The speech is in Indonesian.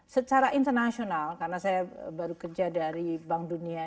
secara internasional karena saya baru kerja dari bank dunia